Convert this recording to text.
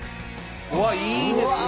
うわっいいですね。